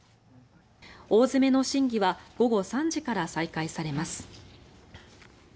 大詰めの審議は午後３時から再開されます。